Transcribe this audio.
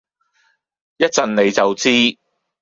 一陣你就知